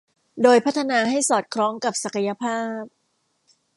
โดยพัฒนาให้สอดคล้องกับศักยภาพ